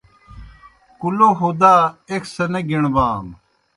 کُلو ہُدا ایْک سہ نہ گِݨبانوْ